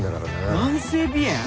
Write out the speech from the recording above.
慢性鼻炎？